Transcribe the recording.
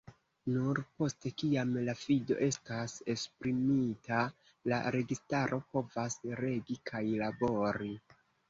Nur poste, kiam la fido estas esprimita, la registaro povas regi kaj labori.